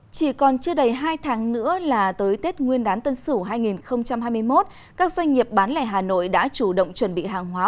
chỉ còn chưa đầy hai tháng nữa là tới tết nguyên đán tân sửu hai nghìn hai mươi một các doanh nghiệp bán lẻ hà nội đã chủ động chuẩn bị hàng hóa